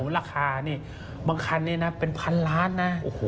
ราคานี่บางคันนี้นะเป็นพันล้านนะ